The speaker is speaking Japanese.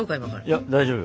いや大丈夫。